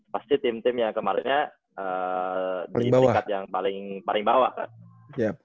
pasti tim tim yang kemarinnya di peringkat yang paling bawah kan